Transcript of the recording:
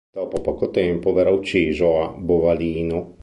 Dopo poco tempo verrà ucciso a Bovalino.